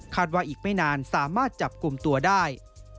ว่าอีกไม่นานสามารถจับกลุ่มตัวได้